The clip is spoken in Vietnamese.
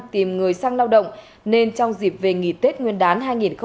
tìm người sang lao động nên trong dịp về nghỉ tết nguyên đán hai nghìn một mươi chín